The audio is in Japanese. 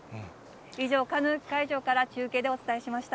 以上、カヌー会場から中継でお伝えしました。